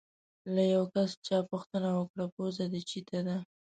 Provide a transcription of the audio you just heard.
له یو کس چا پوښتنه وکړه: پوزه دې چیتې ده؟